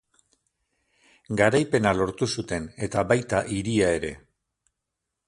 Garaipena lortu zuten eta baita hiria ere.